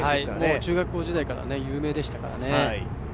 中学校時代から有名でしたからね。